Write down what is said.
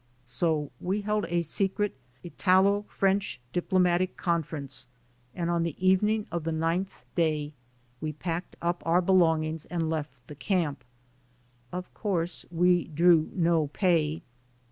So we held a secret Italo French diplomatic conference and on the even ing of the ninth day we packed up our belongings and left the camp. Of course, we drew no pay.